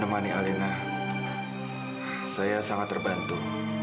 sudah menemani alina saya sangat terbantu